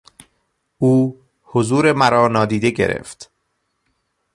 او حضور مرا نادیده گرفت.